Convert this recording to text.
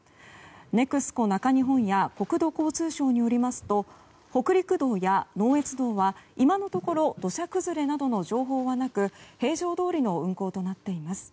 ＮＥＸＣＯ中日本や国土交通省によりますと北陸道や能越道は今のところ土砂崩れなどの情報はなく平常どおりの運行となっています。